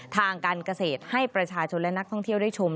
ทางการเกษตรให้ประชาชนและนักท่องเที่ยวได้ชม